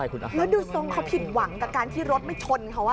แล้วดูทรงเขาผิดหวังกับการที่รถไม่ชนเขา